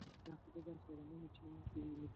• زه به راځمه خامخا راځمه -